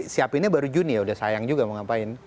siapinnya baru juni ya udah sayang juga mau ngapain